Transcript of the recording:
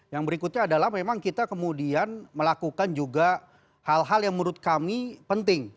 yang berikutnya adalah memang kita kemudian melakukan juga hal hal yang menurut kami penting